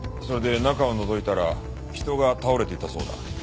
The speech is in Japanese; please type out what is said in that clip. それで中をのぞいたら人が倒れていたそうだ。